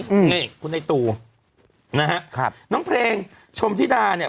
อืมนี่คุณไอ้ตูนะฮะครับน้องเพลงชมธิดาเนี่ย